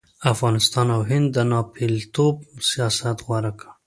افغانستان او هند د ناپېلتوب سیاست غوره کړ.